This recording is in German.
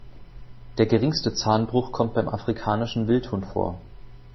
Der geringste Zahnbruch kommt beim Afrikanischen Wildhund vor.